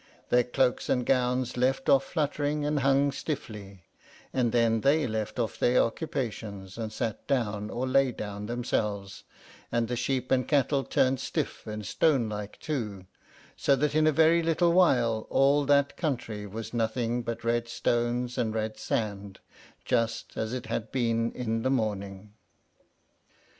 Their cloaks and gowns left off fluttering, and hung stiffly; and then they left off their occupations, and sat down, or laid down themselves; and the sheep and cattle turned stiff and stone like too, so that in a very little while all that country was nothing but red stones and red sand, just as it had been in the morning.